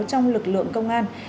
trong lực lượng công an